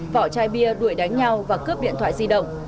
vỏ chai bia đuổi đánh nhau và cướp điện thoại di động